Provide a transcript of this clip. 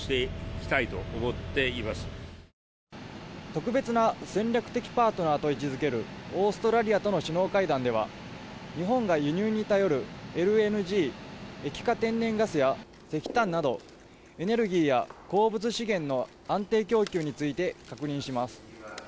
特別な戦略的パートナーと位置付けるオーストラリアとの首脳会談では日本が輸入に頼るＬＮＧ・液化天然ガスや石炭などエネルギーや鉱物資源の安定供給について確認します。